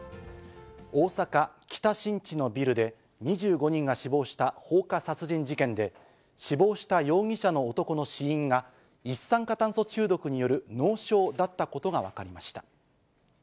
大阪・北新地のビルで、２５人が死亡した放火殺人事件で、死亡した容疑者の男の死因が、一酸化炭素中毒による脳症だったことが分かりました。